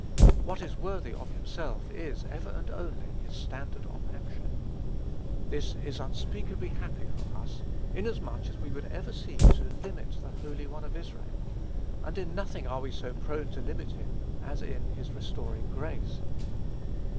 What is worthy of himself is, ever and only, his standard of action. This is unspeakably happy for us, inasmuch as we would ever seek to "limit the Holy One of Israel;" and in nothing are we so prone to limit him as in his restoring grace.